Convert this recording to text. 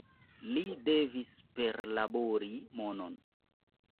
Li devis perlabori monon.